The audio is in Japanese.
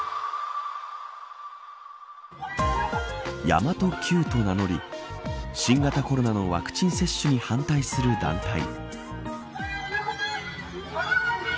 神真都Ｑと名乗り新型コロナのワクチン接種に反対する団体。